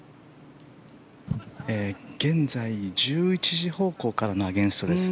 現在、１１時方向からのアゲンストですね。